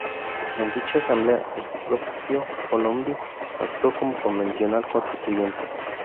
En dicha asamblea, el propio Colombi actuó como convencional constituyente.